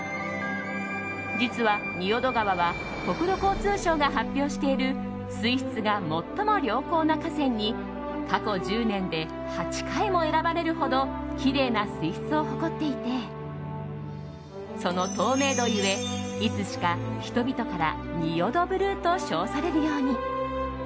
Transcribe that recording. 実は仁淀川は国土交通省が発表している水質が最も良好な河川に過去１０年で８回も選ばれるほどきれいな水質を誇っていてその透明度ゆえいつしか人々から仁淀ブルーと称されるように。